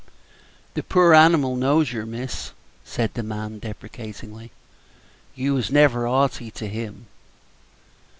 "The pore hanimal knows yer, miss," said the man, deprecatingly; "you was never 'aughty to 'im."